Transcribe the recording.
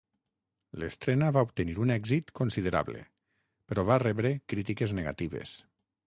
L'estrena va obtenir un èxit considerable, però va rebre crítiques negatives.